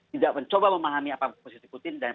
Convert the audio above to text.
tidak mencoba memahami apa posisi putin dan